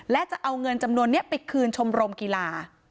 และจะเอาเงินจำนวนนี้ไปคืนชมรมกีฬา